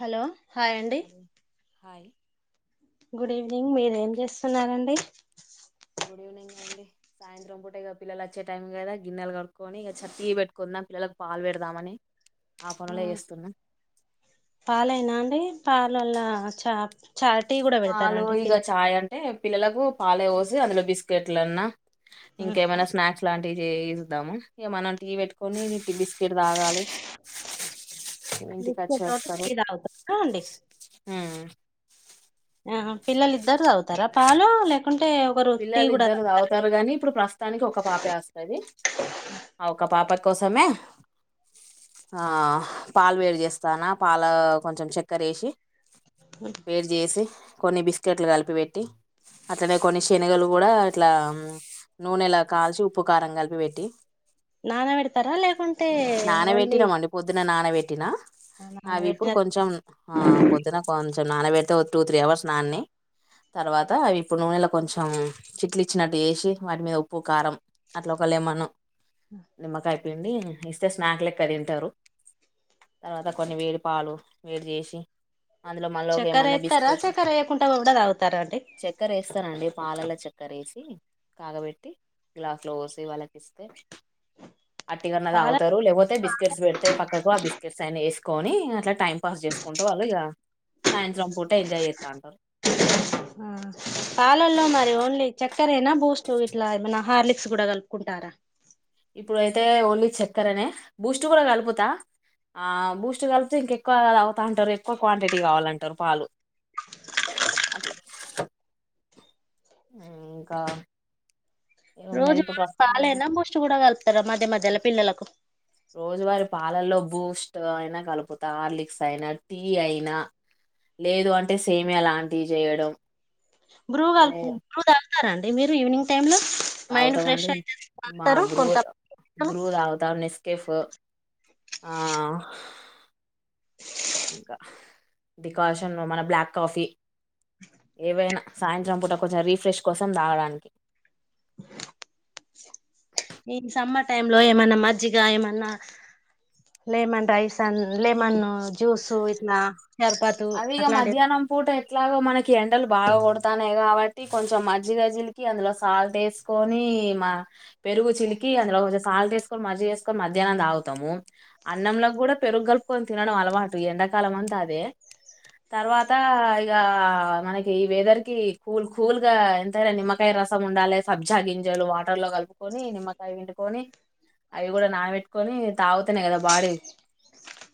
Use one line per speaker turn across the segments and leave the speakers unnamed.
Hello hi అండి
hello hi
good evening మీరేం చేస్తున్నారండి
గుడ్ ఈవెనింగ్ అండి సాయంత్రం పూట ఇక పిల్లలు వచ్చే టైం కదా గిన్నెలు కడుక్కొని ఇక టీ పెట్టుకున్నా పిల్లలకు పాలు పెడదామని ఆ పనులే చేస్తున్నా
పాలైనా అండి పాలల్ల చా చాలా టీ కూడా పెడతారఅండి పిల్ల
టే పిల్లలకు పాలే పోసి అందులో బిస్కెట్లన్న ఇంకేమైనా స్నాక్స్ లాంటి చయిద్దాము ఇక మనం టీ పెట్టుకొని ఇ బిస్కెట్ తాగాలి ఇంటికి
నిచ్చే తోట
వచ్చేస్తారు
టీ తాగుతారా అండి
ఉమ్.
ఆ పిల్లలు ఇద్దారు చదువుతారా పాలు లేక
పిల్లలు ఇద్దరు తవుతారు గాని ఇప్పుడు ప్రస్తుతానికి ఒక పాపే వస్తుంది ఒక పాప కోసమే ఆ పాలు వేడి చేస్తానా పాల కొంచెం చక్కర వేసి వేరు చేసి కొన్ని బిస్కెట్లు కలిపి పెట్టి అట్లనే కొన్ని శనగలు కూడా ఇట్లా నూనెలా కాల్చి ఉప్పు కారం కలిపి పెట్టి
నానబెడతారా లేకుంటే ఓన్లీ
నానబెట్టినామండి పొద్దున నానబెట్టినా అవి ఇప్పుడు
నానబెట్టిన
కొంచెం ఆ పొద్దున కొంచం నాన్న పెడితే టూ త్రీ అవర్స్ నాన్ని తర్వాత అవి ఇప్పుడు నూనె కొంచెం చిట్లు ఇచ్చినట్టు చేసి వాటి మీద ఉప్పు కారం అట్లా ఒకళ ఏమన్నా నిమ్మకాయ పండి ఇస్తే స్నాక్లెక్క తింటారు తర్వాత కొన్ని వేడి పాలు వేడి చేసి అందులో మళ్ళీ ఒక
చక్కర
ఏమన్నా
ఎస్తారా
బిస్కెట్
చక్కెర వేయకుండా కూడా తగుతారా అండి
డి పాలల్లో చక్కర వేసి కాగబెట్టి గ్లాస్ లో పోసి వాళ్ళకి ఇస్తే అటి కన్నా
పాల
తాగుతారు లేపోతే బిస్కెట్స్ పెడితే పక్కకు ఆ బిస్కెట్స్ అయినా వేసు కొని అట్లా టైం పాస్ చేసుకుంటూ వాళ్ళు ఇక సాయంత్రం పూట ఎంజాయ్ చేస్తాంటారు
ఆ పాలల్లో మరి ఓన్లీ చక్క చెక్కరయినా బూస్ట్ ఇట్లా ఏమైనా హార్లిక్స్ కూడా కలుపుకుంటారా
ఇప్పుడుయితే ఓన్లీ చక్కెర అనే బూస్ట్ కూడా కలుపుతా బూస్ట్ కలిపితే ఇంకెక్కువ అ అవుతా అంటారు ఎక్కువ క్వాంటిటీ కావాలంటారు పాలు అట్లా ఇంకా ఏమున్నది
రోజు
ఇప్పుడు ప్రస్తుతం
పాలైనా బూస్ట్ కూడా కలుపుతారా మధ్య మధ్యలో పిల్లలకు
రోజువారి పాలల్లో బూస్ట్ అయినా కలిపుతా ఆర్లిక్స్ అయినా టీ అయినా లేదు అంటే సేమ లాంటివి చేయడం
బ్రూ
లే
గల్పు బ్రూ తగు స్తా అండి మీరు ఈవినింగ్ టైమ్ లో మైండ్ ఫ్రెష్
తాగుతామండి
అయితది
మా
అంటారు
బ్రు
కొంత
బ్రు తాగుతామని ఇస్త కేఫ్
గా
ఇంకా డికాషన్ మన బ్లాక్ కాఫీ ఏవైనా సాయంత్రం పూట కొంచెం రీఫ్రెష్ కోసం తాగడానికి
ఆ ఈ సమ్మర్ టైమ్ లో ఏమన్నా మజ్జిగ ఏమన్నా లెమన్ రైస్ అ లెమన్ జ్యూస్ ఇట్లా షర్బతు
అవిక
అట్లాంటి
మధ్యాహ్నం పూట ఎట్లాగో మనకి కి ఎండలు బాగా కొడతాన్నాయి కాబట్టి కొంచెం మజ్జిగా చిలికి అందులో సాల్ట్ వేసుకొని మా పెరుగు చిలికి అందులో కొంచెం సాల్ట్ వేసుకొని మజ్జిగ వేసుకొని మధ్యాహ్నం తాగుతాము అన్నంంలోకి కూడా పెరుగు కలుపుకొని తినడం అలవాటు ఎండాకాలం అంతా అదే తర్వాత ఇక మనకి ఈ వెదర్ కి కూల్ కూల్గా ఎంతైనా నిమ్మకాయ రసం ఉండాలి సబ్జా గింజలు వాటర్ లో కలుపుకొని నిమ్మకాయ పిండుకొని అవి కూడా నానబెట్టుకొని తాగుతేనే కదా బాడీ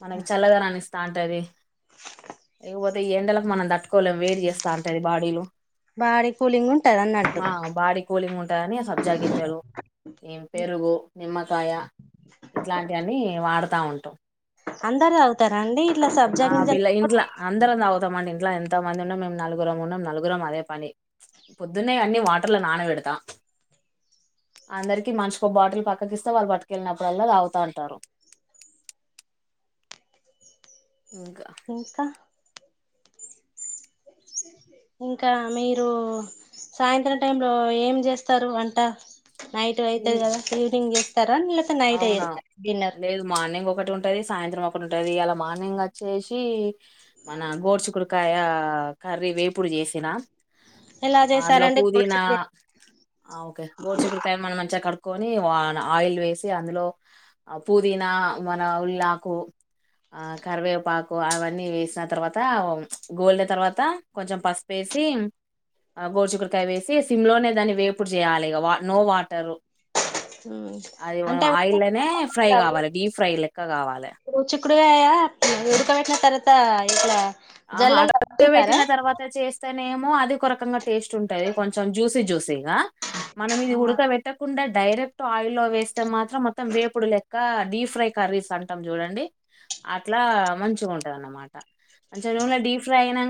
మనకి చెల్లదనాన్ని ఇస్తా అంటుంది ఇకపోతే ఈ ఎండలకు మనం తట్టుకోలేం వేడి చేస్తా ఉంట బాడీలు
బాడీ కూలింగ్ ఉంటది అన్నట్టు
ని సబ్జాగజలు పెరుగు నిమ్మకాయ ఇట్లాంటి అన్నీ వాడుతా ఉంటాం
అందరు అవుతారండి ఇట్లా సబ్జగింజ
ఇంట్ అందరం తాగుతాంంట ఇంట్లో ఎంత మంది ఉన్నా మేము నలుగురం ఉన్నాం నలుగురం అదే పని పొద్దున్న అన్ని వాటర్ల నానబెడతాం అందరికి మంచికో బాటిల్ పక్కకిస్తే వాళ్ళు పట్టుకెళ్ళినప్పుడుల్లా తాగుతా అంటారు ఇంకా
ఇంకా ఇంకా మీరు సాయంత్రం టైంలో ఏం చేస్తారు అంట నైట్
ఈ
అయితుది కదా ఈవనింగ్ ఎ స్తార నిల సా నైట్స్త డిన్నర్
ఒక ఉంటది సాయంత్రం ఒకటి ఉంటది ఇలా మార్నింగ్ వచ్చేసి మన గోడ్చుకురకాయ కర్రీ వేపుడు చేసిన
ఎలా
అందులో
చేసారండి గోడు
పుదీనా
చిక్కుడు
ఆ ఓకే గోరుచుకురకాయ మనం మంచిగా కడుపు ని ఆయిల్ వేసి అందులో పుదీనా మన ఉల్లాకు కరివేపాకు అవన్నీ వేసిన తర్వాత గోలిన తర్వాత కొంచెం పసుపుేసి గోడిచకురకాయ వేసి సిమ్ లోనే దాన్ని వేపు చేయాలి నో వాటర్
ఆ
అది ఆయిల్నే ఫ్రై కావాలి డీప్ ఫ్రై లెక్క కావాలి
ఉడువేయా ఉడకబెట్టిన తర్వాత ఇట్లా
ఆ
జల్లల్లో ముంచుతారా
పెట్టిన తర్వాత చేస్తా నేమో అది ఒక రకంగా టేస్ట్ ఉంటుది కొంచెం జ్యూసీ జూీ మనం ఇది ఉడకబెట్టకుండా డైరెక్ట్ ఆయిల్ల్లో వేస్తే మాత్రం మొత్తం వేపుడు లెక్క డీప్ ఫ్రై కర్రీస్ అంటాం చూడండి అట్లా మంచి ఉంటది అన్నమాట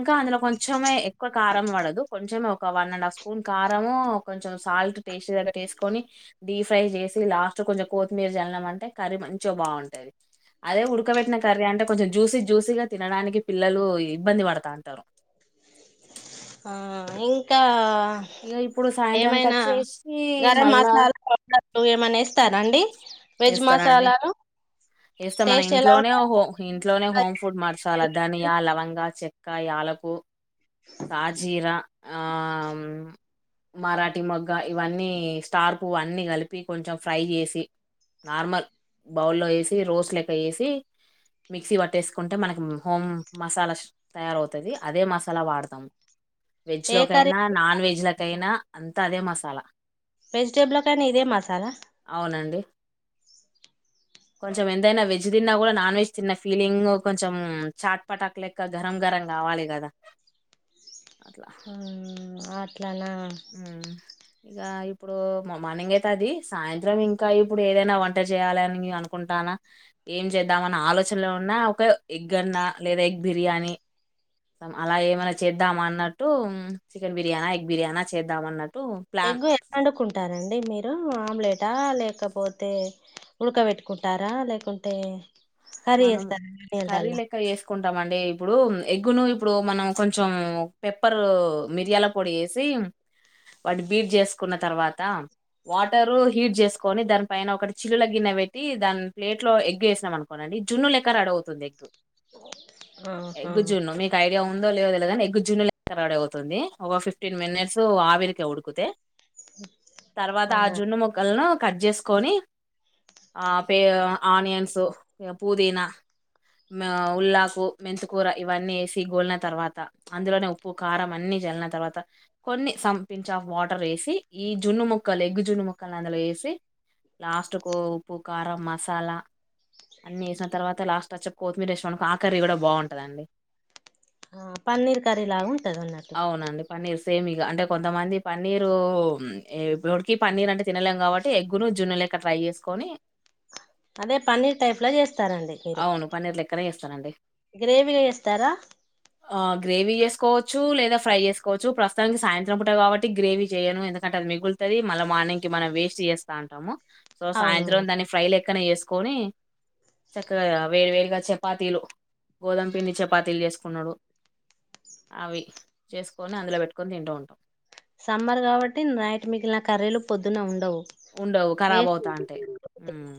కా కొంచమే ఎక్కువ కారం పడదు కొంచెమే ఒక వన్ అండ్ హాఫ్ స్పూన్ కారంము కొంచెం సాల్ట్ టేస్టీ దగ్గేసుకొని డీప్ ఫ్రై చేసి లాస్ట్ కొంచెం కొత్తిమీర చల్లం అంటే కర్రీ మంచిగా బాగుంటది అదే ఉడకబెటిన కర్రీ అంటే కొంచెం జ్యూసీ జ్యూసీగా తినడానికి పిల్లలు ఇబ్బంది మడతా అంటారు
ఆ ఇంకా
ఇక ఇప్పుడు సాయంత్రానికి
ఏమైనా
వచ్చేసి మళ్ళా
మ
వస్తానండి వస్తా మన
టేస్ట్ ఎలా
ఇంట్లోనే
ఉంటది
హో ఇంట్లోనే హోమ్ ఫుడ్ మార్చాల దధానియా లవంగా మ మ ఇ ప అ క కొ ఫ్రై చేసి నార్మల్ బౌల్లో వేసి రోస్ లెక వేసి మిక్సీ పట్టేసుకుంటే మనకి హోమ్ మసాలా తయారవుతుంది అదే మసాలా వాడతాము వెజ్
ఏ
లోకైనా
కర్రీ
నాన్ వెజ్ తనా అంతా అదే మసాలా
వెజిటేబుల్ కానీ ఇదే మాస
అవునండి కొంచెం ఎంతైనా వెజ్ తిన్నా కూడా నాన్ వెజ్ తిన్న ఫీలింగ్ కొంచెం చాట్ పటాకు లెక్క గరం గరం కావాలి కదా
ఆ అట్ల నా
ఇక ఇప్పుడు మార్నింగ్ అయితే అది సాయంత్రం ఇంకా ఇప్పుడు ఏదైనా వంట చేయాలని అనుకుంటానా ఏం చేద్దామని ఆలోచనలో ఉన్నా ఒక ఎగ్ గన్నా లేదా ఎగ్ బిర్యానీ అలా ఏమైనా చేద్దాం అన్నట్టు చికెన్ బిర్యానా ఎగ్ బిర్యానా చేద్దాం అన్నట్టు
ఎగ్గు ఎట్లాండ్డుకుంటారండి మీరు ఆమ్లెట్ త లేకపోతే ఉడకబెట్టుకుంటారా లేకుంటే కర్రీ చేస్తారా నీళ్ళల
టాండి ఇప్పుడు ఎగ్గును ఇప్పుడు మనం కొంచెం పెప్పర్ మిరియాల పొడి వేసి వాటి బీట్ చేసుకున్న తర్వాత వాటరు హీట్ చేసుకొని దాని పైన ఒకటి చిలుల గిన్నె పెట్టి దాని ప్లేట్ లో ఎగ్గు వేసినాంనుకు కోనండి జున్ను లె రడవుతుంది దగ్గు
ఆహా
ఎగ్గుజున్ను మీకు ఐడియా ఉన్ ఉందో లేదో తెలవదు గాని ఎగ్గు జున్ను ఆడే పోతుంది ఒక ఫిఫ్టీన్ మినిట్స్ ఆవిరికే ఉడికితే. తర్వాత ఆ
అవునా
జున్ను ముక్కలను, కట్ జేసుకుని ఆ పే ఆనియన్సు. ఇగ పుదీనా ఉల్లాకు, మెంతకూర ఇవన్నీ ఏసి గోలిన తర్వాత, అందులోనే ఉప్పు, అన్నీ జల్లిన తర్వాత కొన్ని సంపించ్ ఆఫ్ వాటర్ ఏసి, ఈ జున్ను ముక్కలు ఎగ్గు జున్ను ముక్కలని అందులో ఏసి లాస్ట్ కు ఉప్పు, కారం మసాలా ఏసిన తర్వాత లాస్ట్ వచ్చే కొత్తిమీర ఏసినావ్ అనుకో ఆ కర్రీ కూడా బాగుంటదండి.
ఆ పన్నీర్ కర్రీ లాగా ఉంటది.
అవునండి పన్నీర్ సేమ్ ఇగ, అంటే కొంతమంది పన్నీరు ఇప్పటికిీ పన్నీర్ అంటే తినలేము కాబట్టి ఎగ్గును జున్ను లేక ట్రై చేసుకొని.
అదే పన్నీర్ టైప్ లో చేస్త
అవును! పన్నీర్ లెక్కనే చేస్తానండి
గ్రేవీగా చేస్తారా
ఆ గ్రేవీ చేసుకోవచ్. చ్చు లేదా ఫ్రై చేసుకోవచ్చు ప్రస్తుతానికి సాయంత్రం పుట్టా కాబటి గ్రేవీ చేయను. ఎందుకంటే అది మిగులుతాది, మళ్ళా మార్నింగ్ కి మనం వేస్ట్ చేస్తా ఉంటాము. సో సాయంత్రం
అవునవును
దాని ఫ్రైలెక్ క్కనే చేసుకొని. చక్కగా వేడివేడిగా చపాతీలు, గోధుమ పిండి చపాతీలు చేసుకునుడు, అవి చేసుకొని అందులో పెట్టుకొని తింటూ ఉంటాం.
సమ్మర్ కాబట్టి నైట్ మిగిలిన కర్రీలు పొద్దున్న ఉండవు
ఉండవు కరాబ్ అవుతాంటాయ్.
వేస్ట్
హ్మ్!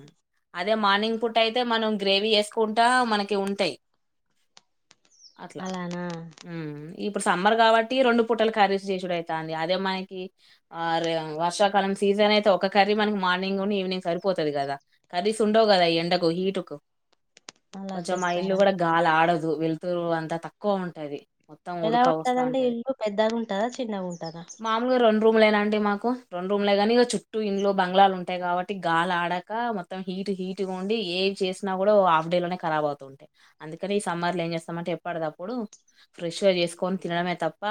అదే మార్నింగ్ పూట అయితే మనం గ్రేవీ చేసుకుంటా మనకి ఉంటాయ్. అట్లా,
అలానా
హ్మ్! ఇప్పుడు సమ్మర్ కాబట్టి రెండు పుట్టలు కర్రీస్ చేసుడు అయితంది అదే మనకి ఆ వర్షాకాలం సీజన్ అయి ఒక కర్రీ మనకి మార్నింగును ఈవినింగ్ సరిపోతాది కదా, కర్రీస్ ఉండవు కదా, ఈ ఎండకు హీటుకు.
అలా
కొంచెం మా ఇల్లు
చేస్తారా
కూడా గాలి ఆడదు తు వెలుతురు అంతా తక్కువ ఉంటది మొత్తం
ఎలా
ఉడక వస్తా
ఉంటదండి
ఉంటది.
ఇల్లు పెద్దగుంటదా చిన్నగుంటద
రూమ్ లే అండి మాకు రెండు రూమ్లే గానీ చుట్ ట్టు ఇండ్లు బంగ్లాలు ఉంటాయి కాబట్టి గాలి ఆడక మొత్తం హీట్ హీట్గా ఉండి ఏ చేసినా కూడా హాఫ్ డే లోనే రా అవుతూ ఉంటాయి అందుకని ఈ సమ్మర్లో ఏం చేస్తామంటే ఎప్పడటప్పుడు ఫ్రెష్గా చేసుకొని తినడమే తప్ప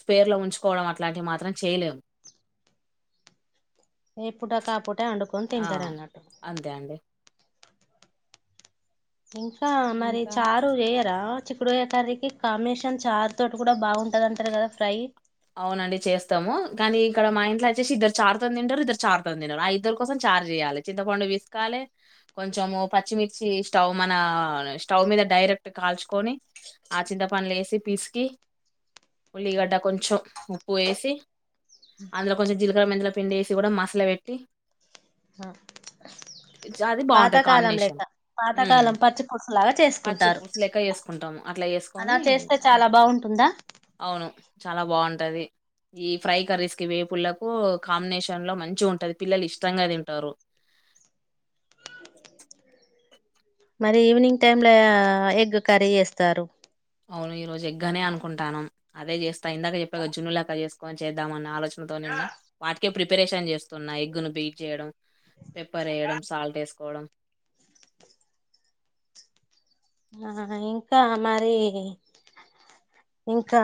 స్పేర్లో ఉంచుకోవడం అట్లాంటివి మాత్రం చేయలేము
ఏపుడ కాపుట ట్టే వండుకొని
ఆ
తింటారు అన్నట్టు
అంతే అండి
ఇంకా మరి
ఇంకా
చారు చేయరా చిక్కుడుకాయ్య కర్రీ కి కాంబినేషన్ చారు తోటి కూడా బాగుంటది అంటరు కదా ఫ్రై
అవునండి చేస్తాము కానీ ఇక్కడ మా ఇంట్లో వచ్చేసి ఇద్దరు చారుతో తింటరు ఇద్దరు చారుతో తింటరు ఆ ఇద్దరు కోసం చార్ చేయాలి చింతపండు విసుకాలి కొంచెము పచ్చిమిర్చి స్టవ్ మన స్టవ్ మీద డైరెక్ట్ కాల్చుకొని ఆ చింతపండ్లు వేసి పిసికి ఉల్లిగడ్డ కొంచెం ఉప్పు వేసి అందులో కొంచెం జీలకర్ర మెంతుల పిండి వేసి కూడా మసలు పెట్టి అది బాగుంటది
పాతకాలం
కాంబినేషన్
లెక్క
మ్మ్
పాతకాలం పచ్చి పులుసు లాగా
పచ్చి
చేసుకుంటారు
పూలుసు లెక్క చేసుకుంటాము అట్లా
అలా
వేసుకొని
చేస్తే చాలా బాగుంటుందా
అవును చాలా బాగుంటా టది ఈ ఫ్రై కర్రీస్ కి వేపూల్లకు కాంబినేషన్ లో మంచి గా ఉంటది పిల్లలు ఇష్టంగా తింటారు
మరి ఈవినింగ్ టైమ్ లో ఆ ఎగ్ కర్రీ చేస్తారు
అవును ఈ రోజు ఎగ్గనే అనుకుంటున్నాం అదే చేస్త త ఇందాక చెప్పా జున్నులక చేస్ కొంచం చేద్దామన్న ఆలోచ న తోటి ఉన్న ప్రిపరేషన్ చేస్తున్నా ఎగ్గును బీట్ చేయడం పెప్పర్ వేయడం సాల్ట్ ఎస్ కోవడం
ఆ ఇంకా మరి ఇంకా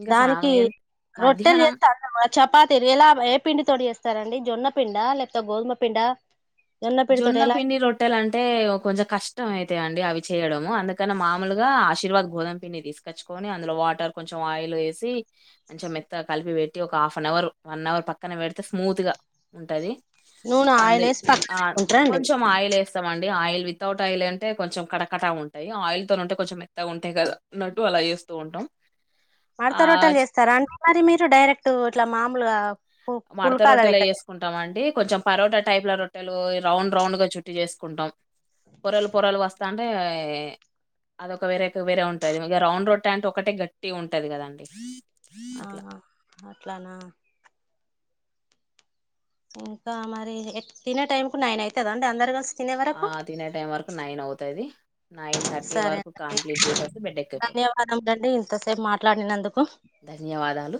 ఇంకా
దానికి
సాయం
రొట్టెలు
మధ్యాహ్నం
చేస్తే అంత చపాతి ఎలా ఏ పిండి తోటి చేస్తారండి జొన్నపిండా లేకపోతే గోధుమ పిండా
జొన్న పిండి రొట్టెలు అంటే కొంచెం కష్టం అయితాయి అండి అవి చేయడము అందుకని మామూలుగా ఆశీర్వాద గోధుమ పిడి తీసుకొచ్చుకొని అందులో వాటర్ కొంచెం ఆయిల్ వేసి కొంచెం మెత్తగా కలిపి పెట్టి ఒక half an hour one hour పక్కన పెడితే స్మూత్గా ఉంటది
నూన ఆయిల్
అందులో
వేసి ప
ఆ కొంచెం ఆయిల్ వేస్తాం అండి ఆయిల్ వితౌట్ ఆయిల్ అంటే కొంచెం కడకట ఉంటాయి ఆయిల్ త ఉంటే కొంచం మెత్తగా ఉంటాయి కదా అన్నట్టు అలా చేస్తూ ఉంటాం.
మడత రొట్టెలు
ఆహ్,
చేస్తారా అంటే మరి మీరు డైరెక్ట్ ఇట్లా మామూలుగా పు
మడత
పుల్కాల
రొట్టెలో
లెక్క
వేసుకుంటాం అండి కొంచెం పరోట్ ట టైపు లో రొట్టెలు రౌండ్ రౌండ్ గా చుట్టి చేసుకుంటాం పొరలు పొరాలు వస్తా అంటే అదొక వేరే వేరే ఉంటుంది ఇగ రౌండ్ రోట్టె అంటె ఒకటే గట్టిగుంటది కదండి
ఆ
అట్లా
అట్లానా ఇంకా మరి ఎ తినే టైం కు నైన్ అయితదండి అందరు కలిసి తినే వరకు
ఆ తినే టైం వరకు నైన్ అవుతది నైన్ థర్టీ
సరే
వరకు
అండి
కంప్లీట్ చేసేస్తే బెడ్డ ఎక్కిపోతాం
ధన్యవాదములండి ఇంతసేపు మాట్లాడినందుకు
ధన్యవాదాలు